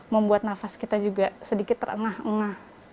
membuat nafas kita juga sedikit terengah engah